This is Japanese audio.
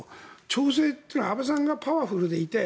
調整というのは安倍さんがパワフルでいて。